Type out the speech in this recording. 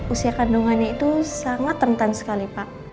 usia kandungannya itu sangat rentan sekali pak